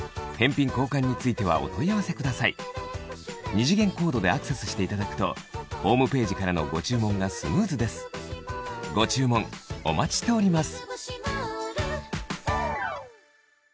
二次元コードでアクセスしていただくとホームページからご注文がスムーズですご注文お待ちしております